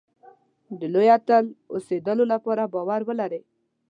د لوی اتل اوسېدلو لپاره باور ولرئ.